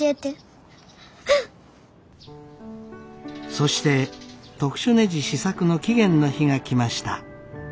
そして特殊ねじ試作の期限の日が来ました。